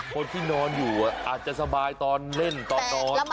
คนที่นอนอยู่อาจจะสบายตอนเล่นตอนนอน